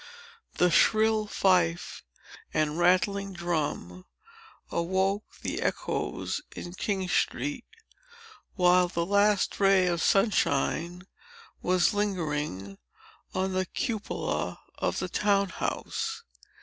The shrill fife and rattling drum awoke the echoes in King Street, while the last ray of sunshine was lingering on the cupola of the town house.